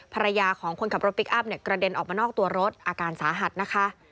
ภรรยาของคนขับรถพลิกอัพกระเด็นออกมานอกตัวรถอาการสาหัสนะคะ